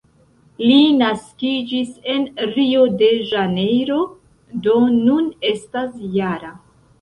Li naskiĝis en Rio-de-Ĵanejro, do nun estas -jara.